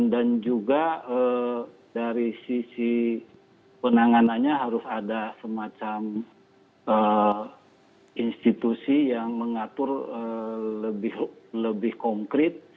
dan juga dari sisi penanganannya harus ada semacam institusi yang mengatur lebih konkret